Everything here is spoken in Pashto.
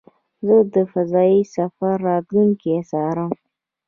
زه د فضایي سفر راتلونکی څارم.